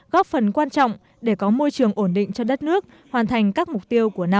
góp phần quan trọng để có môi trường ổn định cho đất nước hoàn thành các mục tiêu của năm